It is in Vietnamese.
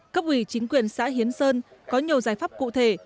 cấp ủy chính quyền xã hiến sơn có nhiều giải pháp cụ thể